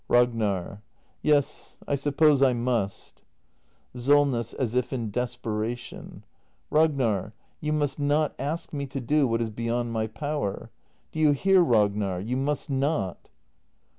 Ragnar. Yes, I suppose I must. Solness. [As if in desperation.] Ragnar — you must not ask me to do what is beyond my power! Do you hear, Rag nar? You must not!